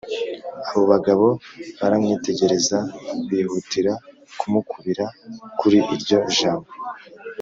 Abo bagabo baramwitegereza bihutira kumukubira kuri iryo jambo